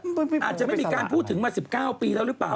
อาจจะไม่มีการพูดถึงมา๑๙ปีแล้วหรือเปล่า